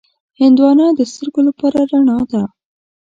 هندوانه د سترګو لپاره رڼا ده.